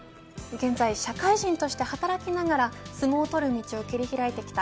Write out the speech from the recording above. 現在、社会人として働きながら相撲をとる道を切り開いてきた